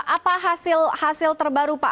apa hasil terbaru pak